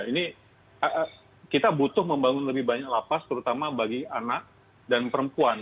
ini kita butuh membangun lebih banyak lapas terutama bagi anak dan perempuan